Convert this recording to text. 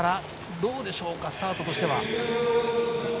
どうでしょうかスタートとしては。